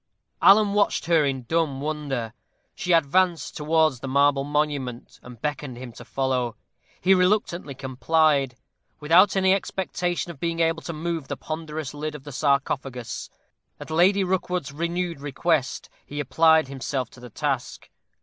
Alan watched her in dumb wonder. She advanced towards the marble monument, and beckoned him to follow. He reluctantly complied. Without any expectation of being able to move the ponderous lid of the sarcophagus, at Lady Rookwood's renewed request he applied himself to the task.